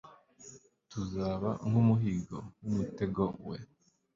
tuzaba nk’umuhigo w’umutego we;